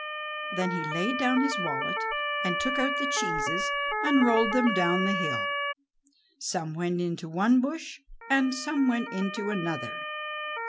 Then he laid down his wallet and took out the cheeses, and rolled them down the hill. Some went into one bush, and some went into another.